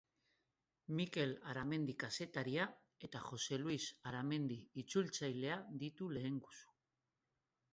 Mikel Aramendi kazetaria eta Joxe Luis Aramendi itzultzailea ditu lehengusu.